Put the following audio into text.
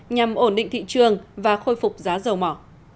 nhằm ổn định thị trường và khôi phục giá dầu mỏ